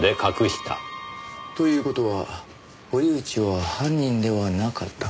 という事は堀内は犯人ではなかった。